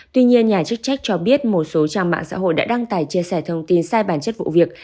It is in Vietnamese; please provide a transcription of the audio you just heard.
tuy nhiên nhà chức trách cho biết một số trang mạng xã hội đã đăng tải chia sẻ thông tin sai bản chất vụ việc